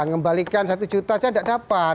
membalikan satu juta saya nggak dapat